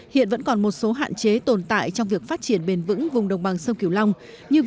hiện vẫn còn một số hạn chế tồn tại trong việc phát triển bền vệnh